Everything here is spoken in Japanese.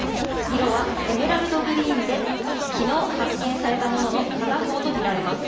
色はエメラルドグリーンで昨日、発見されたものの片方とみられます。